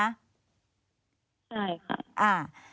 ใช่ค่ะ